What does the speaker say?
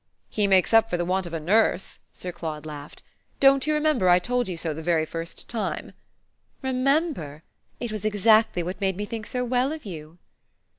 "He makes up for the want of a nurse!" Sir Claude laughed. "Don't you remember I told you so the very first time?" "Remember? It was exactly what made me think so well of you!"